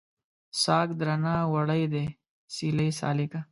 ساګ درنه وړی دی سیلۍ سالکه